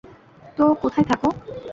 তো, কোথায় থাকো?